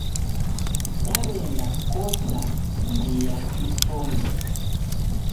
Daweenda kota mbia ifonyi